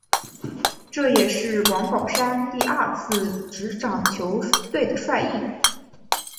这也是王宝山第二次执掌球队的帅印。